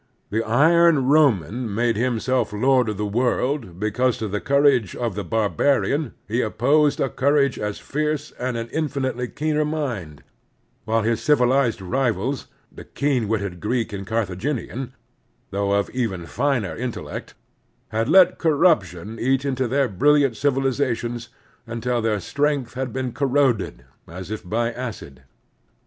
The iron Roman made himself lord of the world because to the courage of the barbarian he opposed a courage as fierce and an infinitely keener mind ; while his civilized rivals, the keen witted Greek and Carthaginian, though of even finer intellect, had let corruption eat into their brilliant civilizations tmtil their strength had been corroded as if by acid.